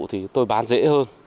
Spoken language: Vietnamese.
thì tôi bán dễ hơn